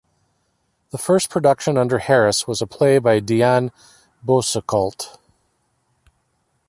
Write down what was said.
The first production under Harris was a play by Dion Boucicault.